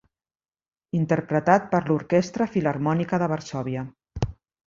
Interpretat per l'Orquestra Filharmònica de Varsòvia.